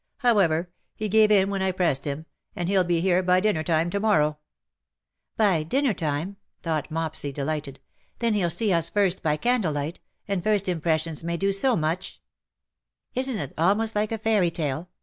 However,, he gave in when I pressed him ; and he'll he here hy dinner time to morroAV." '^ By dinner time/' thought Mopsy, delighted. ''Then he'll see us first by candlelight, and first impressions may do so much/'' " Isn't it almost like a fairy tale